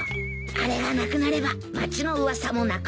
あれがなくなれば町の噂もなくなると思うんだ。